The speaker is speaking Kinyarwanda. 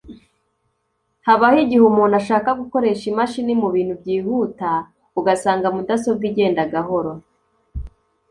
Habaho igihe umuntu ashaka gukoresha imashini mu bintu byihuta ugasanga mudasobwa igenda gahoro